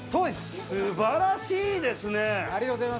素晴らしいですね。